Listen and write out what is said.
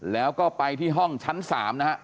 แล้วก็ไปที่ห้องชั้น๓นะฮะ